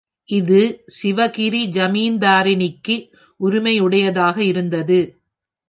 இது சிவகிரி ஜமீன்தாரினிக்கு உரிமையுடையதாக இருந்தது.